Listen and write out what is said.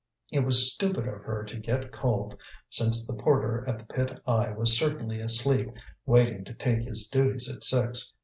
It was stupid of her to get cold, since the porter at the pit eye was certainly asleep, waiting to take his duties at six.